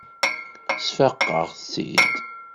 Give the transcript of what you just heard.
Sfaqeɣ-tt-id.